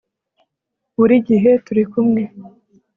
buri gihe turi kumwe